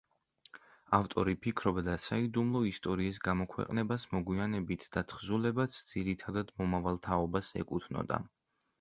ავტორი ფიქრობდა საიდუმლო ისტორიის გამოქვეყნებას მოგვიანებით და თხზულებაც ძირითადად მომავალ თაობას ეკუთვნოდა.